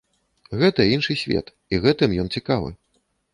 Гэта іншы свет і гэтым ён цікавы.